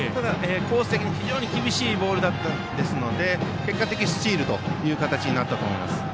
ただ、非常に厳しいボールだったので結果的にスチールという結果になったと思います。